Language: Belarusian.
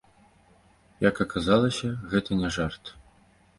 Як аказалася, гэта не жарт.